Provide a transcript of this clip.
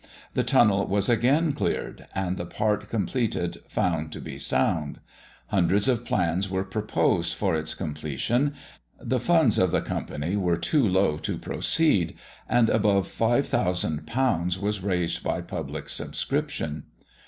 The Tunnel was again cleared, and the part completed found to be sound. Hundreds of plans were proposed for its completion; the funds of the company were too low to proceed, and above 5000_l._ was raised by public subscription.